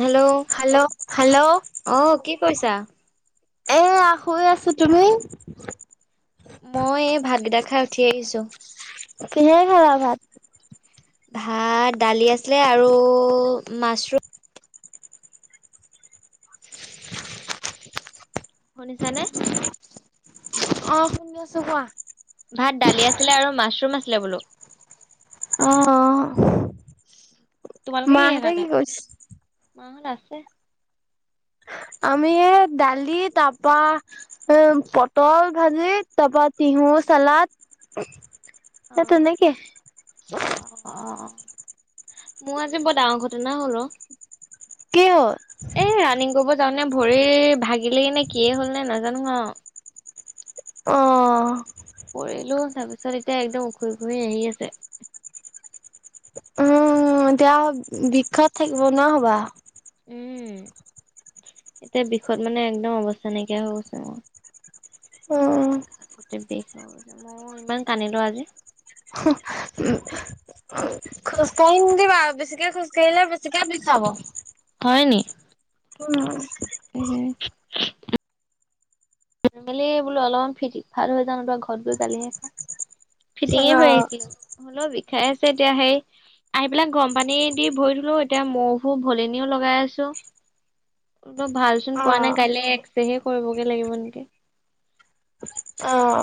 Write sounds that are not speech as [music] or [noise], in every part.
Hello hello hello. অ কি কৰিছা? এইয়া শুই আছোঁ। তুমি? মই এই ভাতকেইটা খাই উঠি আহিছোঁ। কিহৰে খালা ভাত? ভাত দালি আছিলে আৰু মাছৰুম শুনিছানে? অ' শুনি আছোঁ কোৱা। ভাত দালি আছিলে আৰু মাছৰুম আছিলে বোলো। অ', অ। তোমালোক কৰিছে? [unintelligible] আমি এ, দালি তাৰ পৰা এ, পটল ভাজি তাৰ পৰা টিহু চালাদ। অ এ, তেনেকে। অ অ', অ',। মোৰ আজি বৰ ডাঙৰ ঘটনা হ'ল অ'। কি হ'ল? এই ৰাণিং কৰিব যাওনে ভৰি ভাগিলেই নে কিয়ে হল নে নাজানো অ'। অ কৰিলো তাৰপিছত এতিয়া একদম উখৰি ঘুৰি আহি আছে। উম, এতিয়া বিষত থাকিব নোৱাৰা হ'বা। উম, এতিয়া বিষত মানে একদম অৱস্থা নাইকিয়া হৈ গৈছে মোৰ। অ গোটেই বিষ আৰু মই ইমান কান্ লো আজি খোজকাঢ়ি নিদিবা বেছিকে খোজকাাঢ়িলে বেছিকে বি খাব হয় নি উম উহ মেলি বোলো অলপমান ফিট ভাল হৈ জানো ত ঘৰত গৈ গালিহে খা অ ফিটিঙে হৈ আহিছিল হ'লও বিষাই আছে এতিয়া সেই আহি পেলাক গৰম পানী দি ভৰি ধলো এতিয়া মহো ভলেনিও লগাই আছো একো ভাল চোন অ পোৱা নাই কাইলৈ এক্সেহে কৰিবগে লাগিব নেকি? অঁ।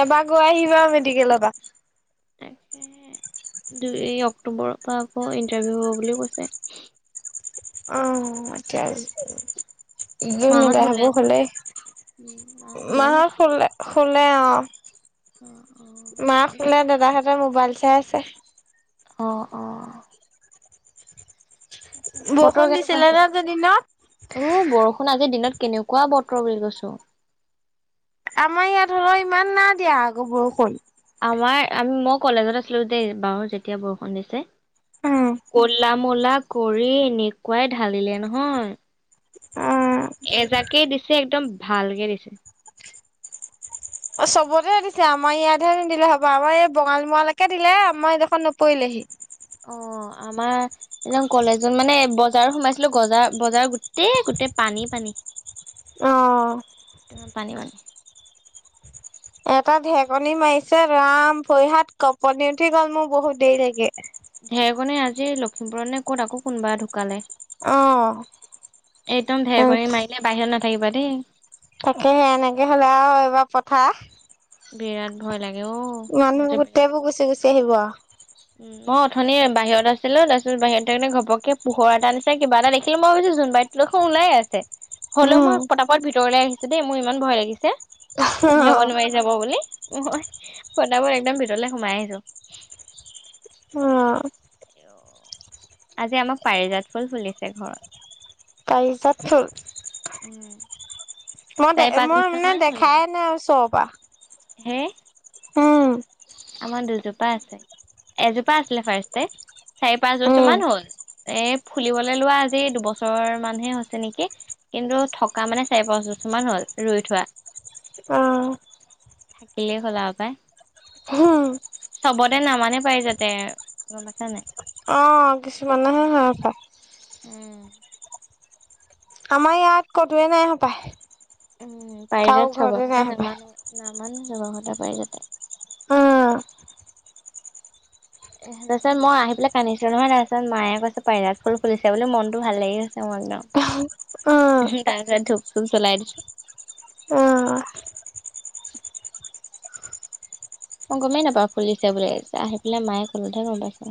এবাৰ গৈ আহিবা মেডিকেলৰ পৰা। তাকে দুই অক্টোবৰৰ পৰা আকৌ ইণ্টাৰভিউ হব বুলিও কৈছে। অ। মই কে। োৰ মাহত নদাই হব শুলে হলেই উম মাহত শুলে নেকি মাহত খলে হলে অ। অ অ। মাক খুলে দাদাহঁতেৰ মোবাইল চাই আছে। অ অ। তাকে বৰষুণ বতৰ কেনেকুৱা দিছিলে হে ন বলে? আজি দিনত উ বৰষুণ আজিৰ দিনত কেনেকুৱা বতৰ বুলি কৈছো। আমাৰ ইয়াত ধৰ ইমান না দিয়া আকৌ বৰষুণ। আমাৰ আমি মই কলেজত আছিলো দেই বাৰু যেতিয়া বৰষুণ দিছে। উম কলা মলা কৰি এনেকুৱাই ঢালিলে নহয়। এজাকে দিছে একদম ভালকে দিছে। অ চবতেহে দিছে আমাৰ ইয়াতহে নিদিলে হব আমাৰ এই বঙালী মৰাালৈকে দিলে আমাৰ এইডোখোন নপৰিলেহি। অ আমাৰ। একদম কলেজত মানে বজাৰ সোমাইছিলো বজাৰ বজাৰ গোটেই গোটেই পানী পানী। আহ। পানী পানী। এটা ঢেকনি মাৰিছে ৰাম ভৰিহাত কপনি উঠি গ'ল মোৰ বহুত দেৰি লাগে। ঢেৰেকনে আজি লখিমপুৰত নে ক'ত আকৌ কোনোবা ঢুকালে। অ একদম ধেৰ কৰি মাৰিলে বাহিৰত নাথাকিবা দেই। তাকেহে এনেকে হলে আৰু এইবাৰ পথাৰ। বিৰাট ভয় লাগে অ মানুহ মতে বিৰাট। ভয়। গোটেইবোৰ গুচি গুচি আহিব। উম মই অথনি বাহিৰত আছিলো তাৰপিছ বাহিৰ থনে ঘপকে পোহৰ এটা নিছে কিবা এটা দেখিলো মই ভাবিছো যোনবাইত। লখন ওলাই আছে হলেও মই পতাপত ভিতৰলৈ আহিছো দেই মোৰ ইমান ভয় লাগিছে। অ ধেব নোৱাৰি যাব বুলি মই ফদাবোৰ একদম ভিতৰলে সোমাই আহিছো। অ। আজি আমাক পাৰিজাত ফুল ফুলিছে ঘৰত। পাইজাত। মই দে চাৰি পাঁচ মই বছৰ মানে মান হ'ল দেখাই বাৰু। নাই আৰু চ'ৰ পৰা। হে? অঁ। আমাৰ দুজোপা আছে এজোপা আছিলে ফাৰ্ষ চাৰি পাঁচ বছৰ উম মান হল। এ ফুলিবলৈ লোৱা আজি দুবছৰ মানহে হৈছে নেকি। কিন্তু থকা মানে চাৰি পাঁচ বছৰ মান হ'ল ৰুই থোৱা। অ। থাকিলেই হলা পায়। হুম চবতে নামানে পায় যাতে গাছা নাই। অ কিছুমানেহে হে পায়। উম। আমাৰ ইয়াত ক'তোৱে নাই সোপায়। উম পাৰি যাত স্বভতে হপায় নামানে নামান সভশত পাৰি যাতে। উম। এ তাৰপিছত মই আহ পেলাই কান্িছিলো নহয় তাৰপিছত মায়ে কৈছে পাৰৰাত ফুলি চছে বুলি মনতটো ভাল লাগি গৈছে মোৰ একদম। অ'। তাৰ ধুপ চুপ চলাই দিছো। অ উম অই গমেই নাপাওঁ ফুলিছে বুলি আহি পেলাই মায়ে কলতহে গম পাইছো।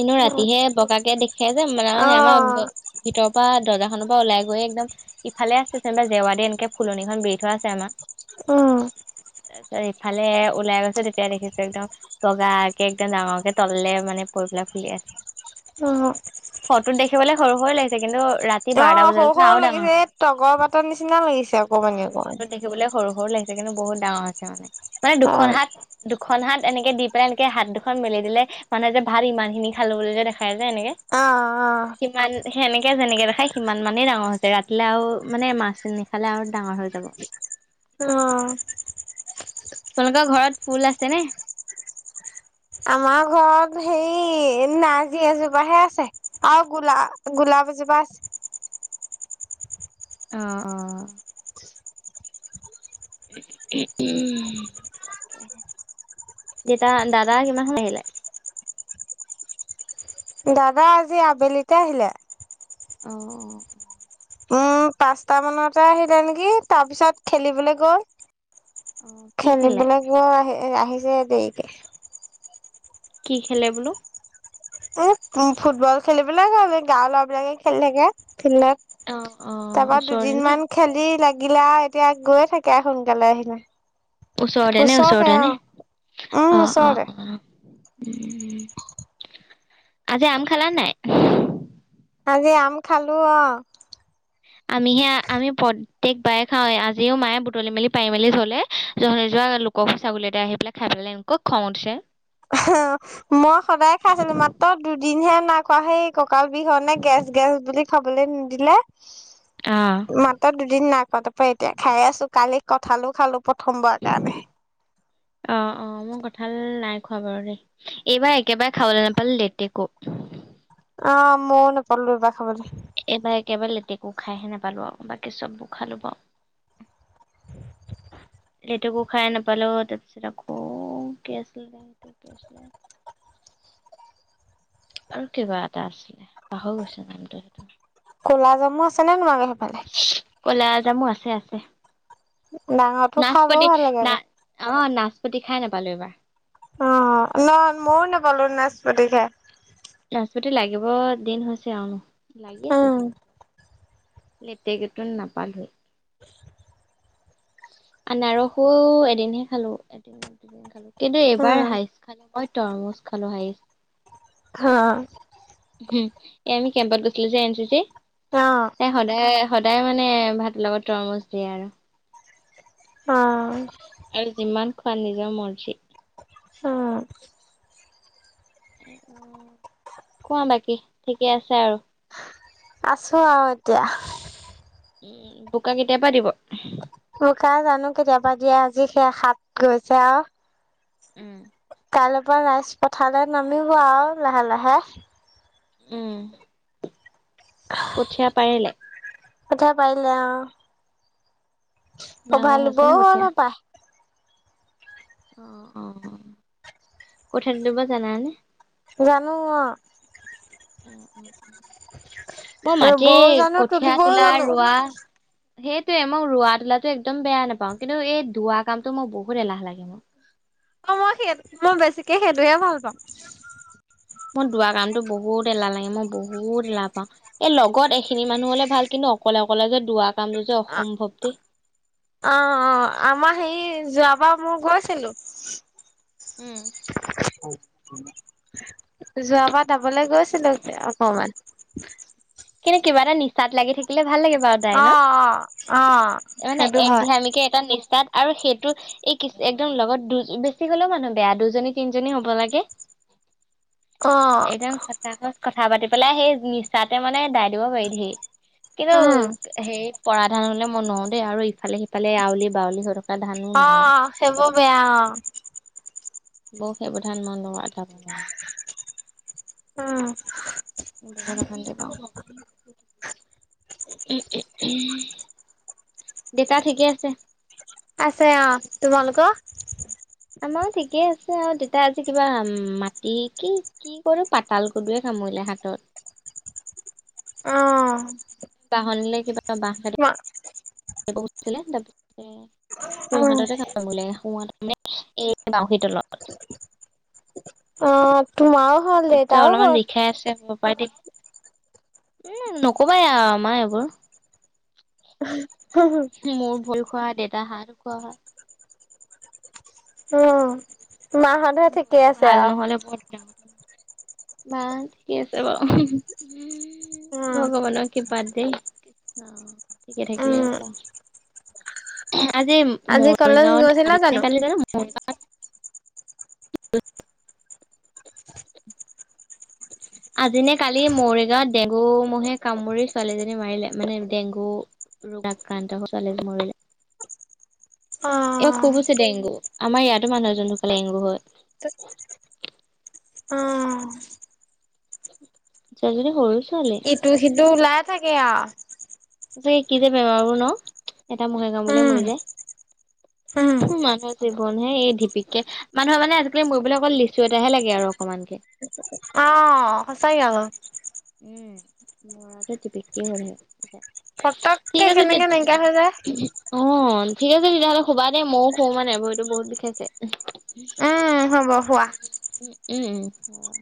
এনেও ৰাতিহে বগাকে দেখে যে মানেে আমাৰ। ভিতৰৰ পৰা দৰ্জাখনৰ পৰা ওলাই গৈ একদম। ইফালে আছে যেনবা জেৱা এনেকে ফুলনিখন বৰি থোৱা আছে আমাৰ। অ'। তাৰপিছত ইফালে ওলাই গৈছো তেতিয়া দেখিছো একদম। বগকে একদম ডাঙৰকে তলেলে মানে পৰিবেলাক ফুলি আছে। অ'। ফটোত দেখিবলৈ সৰু হৈ লাগিছে কিন্তু ৰাতি। অ বাৰটা সৰু বজালৈকে আৰু সৰু ডাঙৰ লাগিছে হ'ব। এই তগৰ পাটৰ নিচিনা লাগিছে আকৌ অ মানে ফটোত অকমানানে। দেখিবলৈ সৰু, সৰু লাগিছে কিন্তুহুতাঙৰ আ মানে মানে দুখ। অ দুখন হাত দুখন হাত এনেকে দি পেলাই এনেকে হাত দুখন মেলি দিলে। মানুহে যে ভাল ইমান খিনি খালবলৈক যে দেখাই যোয় এনেকে। অ'। সিমান সেনেকে যেনেকে দেখায় সিমান মানেই ডাঙৰ হৈছে ৰাতিলে আৰু মানে মাছ নিশালে আৰু ডাঙৰ হৈ যাব। অ'। তোমলোকৰ ঘৰত ফুল আছে নে? আমাৰ ঘৰত। নাৰ্জি এজোপাহে আছে আৰু গোলা গোলাপ এজোপা আছে। অ'। অ তাকে দেতা দাদা কিমান সময় আহিলে? দাদা আজি আবেলিতে আহিলে। অ'। উম, পাঁচটা মানতে আহিলে নেকি তাৰ পিছত খেলিবলৈ গ'ল। অ কি খেলে খেলিবলৈ ব আহি আহিছে দেৰিকে। কি খেলে বোলো? উম, ফুটবল খেলিব লাগে আৰু গাওৰ ল'ৰাবলাকে খেলি থাকে ফিল্ডত। অ অ তাৰপা ওচৰতে নে দুদিনমান খেলি লাগিলে আৰু এতিয়া গৈ থাকে সোনকালে আহিলে। ওচতেনে, ওচৰতে অ ওচতেনে উম অ', অ'। ওচৰতে উম, আজি আম খালা নাই? আজি আম খালো অ'। আমিহে আমি প্ৰতেয়েক বায় খাওঁৱ আজিও মায়ে বুটলি মেলি পাৰি মেলি চলে জ যোৱা। কব ছাগলী এটা আহি পেলাই খাই পেলাইেনকুৱৈ খং উঠছে। হা। মই সদায় খাইছিলো মাত্ৰ দুদিন হে নাখোৱা সেই ককাল বিহ নে গেছ, গেছ বুলি। খাবলৈ নিদিলে। অ'। মাত্ৰ দুদিন নাইক তাৰপৰা এতিয়া খাই আছো কালি কঁঠালো খালো প্ৰথমবাৰ কাৰণে। অ', অ'মই কঁঠাল নাই খোৱা বাৰু দেই এইবাৰ একেবাৰে খাবলৈ নাপালো লেটেকো। অ', মই নে পলো পখ প বুলি। এইবাৰ একেবাৰে লেটেকো খাইহে নোপালো আৰু বাকী চবো খালো বাৰু। লেটোকো খাই নাপালোঁ, তাৰপিছত আকৌ কি আছিলে কি আছিলে আৰু কিবা এটা আছিলে পাহৰি গৈছে নামটো সেইটো। ক'লা জামু আছেনে তোমালোকৰ সেইফালে? কলা জামো আছে আছে। ডাঙৰটো খাই বৰ নাচপতি ভাল লাগে না আকৌ অ' নাচপতি খাই নাপালোঁ এইবাৰ। অ' নহয় ময়ও নোপালো নাচপতি খাই। নাচপতি লাগিব দিন হৈছে আৰু ন' লাগি আছে উম চাগে। লেতেকেটো নাপালোৱে। [inaudible] আনাৰসোও এদিনহে খালোঁ। এদিন দুদিন খালোঁ কিন্তু উম এইবাৰ হাইষ্ট খালোঁ। অই তৰমোজ খালো হাইষ্ট। খা এ, আমি কেম্পত গৈছিলোঁ যে এন চি চিা অ এ, সদায় সদায় মানে ভাতৰ লগত তৰমুজ দিয়ে আৰু। অ'। আৰু যিমান খোৱা নিজৰ মৰ্জি। অ'। অ' কোৱা বাকী ঠিকে আছে আৰু? আছোঁ আৰু এতিয়া। উম, বোকা কেতিয়াৰপা দিব? বোকা জানো কেতিয়াবা দিয়ে, আজি সেই হাত লৈছে আৰু। উম। কাইলৈৰপৰা ৰাইজ পথাৰলৈ নামিব আৰু লাহে লাহে। উম। [unintelligible] পঠিয়া পাৰিলে? কঠীয়া পৰিলে অ'। অ' ডাঙৰ ভালিব হৈছে নে কঠীয়া নাপায়। অ', অ'। কঠীয়া তুলিব জানানে? জানো অ'। অ অ [inaudible] মই মাটি ৰুবও জানো কঠিয়া তুলিবও তোলা, জানো ৰোৱা সেইটয়ে মোক ৰোৱা তোলা একদম বেয়া নাপাও কিন্তু এই দুৱা কামটো মই বহুত এলাহ লাগে মোক। অ' মই সেই মই বেছিকে সেইটোয়ে ভাল পাওঁ। মোৰ দুৱা কামটো বহুত এলাহ লাগে, মই বহুত এলাহ পাওঁ। এই লগত এইখিনি মানুহ হ'লে ভাল কিন্তু অকলে অকলে যে দুৱাৰ কামটো যে অ অসম্ভৱটি অ', অ'। আমাৰ হেৰি যোৱাবাৰ মই গৈছিলোঁ। উম। যোৱাবাৰ যাবলৈ গৈছিলোঁ অকমান। কিন্তু কিবা এটা নিচাত লাগি থাকিলে ভাল লাগিব আৰু। যায় অ ন'? অ অ মানে সেইটো এক হয় ধিয়ানকে এটা নিষ্ঠাত আৰু সেইটো এই কি একদম লগত দু বেছি হ'লেও মানুহ বেয়া দুজনী তিনিজনী হ'ব লাগে। অ একদম সঁচা সচ কথা পাতি পেলাই সেই নিচাত তা মানে দাই দিব পাৰি ধেই কিন্তু উম সেই পৰা ধানলে মই নো দেই আৰু ইফালে আৱলি বাউলি হৈ থকা ধানো নোৱাৰোঁ। হেইবোৰ বেয়া অ'। বৌ শেবধান মন লগ আটাব ম উম বৰ অশান্তি পাওঁ। দেউতা ঠিকে আছে? আছে অ'। তোমালোকৰ? আমাৰো ঠিকেই আছে আৰু ডেতা আজি কিবা মাটি কি কি কৰো পাতাল গদয়ে খামুৰিলে হাতত। আহ, [unintelligible] উম সোঁহাততে কাম বলে সোহাত মানে এই বউহীৰ তলত। অ, তো মাও খ তাৰপিছত অলপমান বিষাই আছে হ'ব পাৰে দ উম, নকবা আমাৰ এইবোৰ। মোৰ ভৰি খোৱা দেউতা হাঁহো খোৱা হা উম, মাহঁতহে ঠিকে বৰটো আছে ভাল আৰু নহ'লে বৰ বা ঠিকে আছে বাৰু উম ভগৱানক। প, ঠিক থাকিল উম হ'ল আৰু আজি আজি কলেজ মৰিগাঁৱত গৈছিলা আজিনে কালি জানো মৰিগাঁৱত। আজিনে কালি মৰিগাঁৱত ডেংগু মহে কামুৰি ছোৱালীজনী মাৰিলে মানে ডেংগু। ৰোগ আক্ৰান্ত হৈ চলে মৰিলে। এ খুব হৈছে ডেংগু আমাৰ ইাতো মুহজনোন ধোকালে ডেংগু হয়। অ, ছোৱালী জনী সৰু ছোৱালী। ইটো সিটো ওলাই থাকে আৰু। তে কি যে বেমাৰো ন এটা মহে গৱলে উম মৰি যায়। [inaudible] মানুহৰ জীৱন হে এই ডিপিককে মানুহৰ মানে আজিকালি মৰিব অকল লিচু এটাহে লাগে আৰু অকণমানকে। অ, অ, সঁচাই আকৌ। উম, মৰাটো টিপিকি হৈ থাকে। পতককে ঠিক আছে তে, কেনেকে অ, নাইকিয়া হৈ যায় ঠিক আছে তেতিয়াহ'লে সুবা দে ময়ো শোবো মানে ভইতো বহুত বিষাইছে। উম হ'ব শোৱা। উম, উম, উম, হ'ব